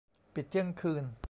ปิดเที่ยงคืน